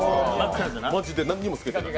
マジで何にも透けてない。